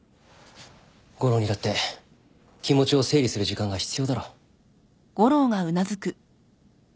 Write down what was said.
悟郎にだって気持ちを整理する時間が必要だろ。